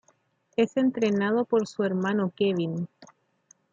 Es entrenado por su hermano Kevin.